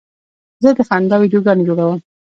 زه د خندا ویډیوګانې جوړوم.